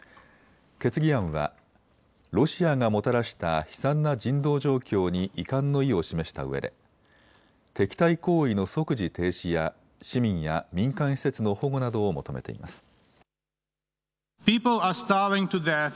決議案は、ロシアがもたらした悲惨な人道状況に遺憾の意を示したうえで敵対行為の即時停止や市民や民間施設の保護などを求めています。